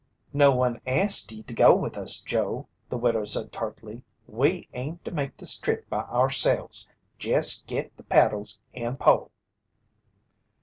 "No one asked ye to go with us, Joe," the widow said tartly. "We aim to make this trip by ourselves. Jest git the paddles and pole."